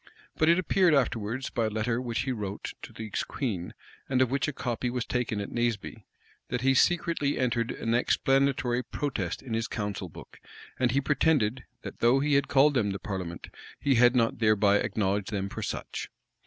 [] But it appeared afterwards, by a letter which he wrote to the queen, and of which a copy was taken at Naseby, that he secretly entered an explanatory protest in his council book; and he pretended, that though he had called them the parliament, he had not thereby acknowledged them for such.